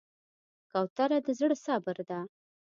کوتره د زړه صبر ده.